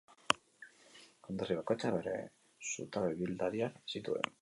Konderri bakoitzak bere zutabe ibiltariak zituen.